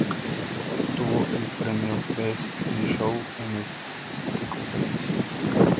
Obtuvo el premio "Best in Show" en este conferencia.